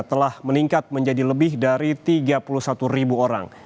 telah meningkat menjadi lebih dari tiga puluh satu ribu orang